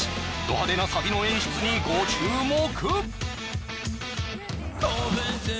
ド派手なサビの演出にご注目！